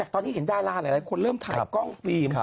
ตอนนี้เห็นดาราหลายคนเริ่มถ่ายกล้องฟิล์ม